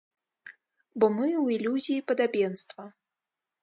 Бо мы ў ілюзіі падабенства.